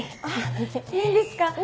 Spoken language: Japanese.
あっいいんですか？